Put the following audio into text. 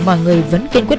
mọi người vẫn kiên quyết